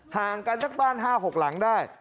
ห่างกันสักบ้าน๕๖หลังได้